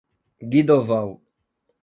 Guidoval